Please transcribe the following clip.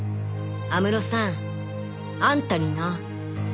安室さんあんたにな！